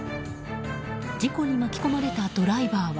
事故に巻き込まれたドライバーは。